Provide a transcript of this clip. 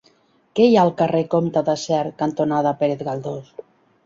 Què hi ha al carrer Comte de Sert cantonada Pérez Galdós?